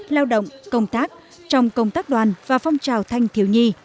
lao động công tác trong công tác đoàn và phong trào thanh thiếu nhi